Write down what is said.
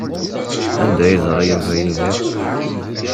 Anda ay yeẓra Yuba Yidir?